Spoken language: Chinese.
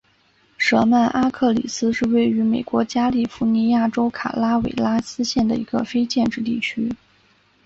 舍曼阿克里斯是位于美国加利福尼亚州卡拉韦拉斯县的一个非建制地区。